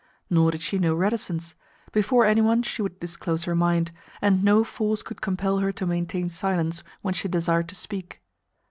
Nor did she know reticence: before any one she would disclose her mind, and no force could compel her to maintain silence when she desired to speak.